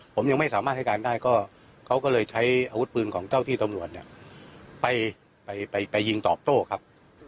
ผมยังไม่สามารถให้การได้ก็เขาก็เลยใช้อาวุธปืนของเจ้าที่ตำรวจเนี่ยไปยิงตอบโต้ครับ